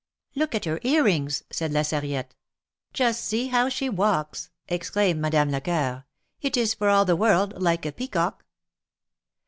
Look at her ear rings," said La Sarriette. Just see how she walks," exclaimed Madame Lecoeur. ^Ht is for all the world like a peacock."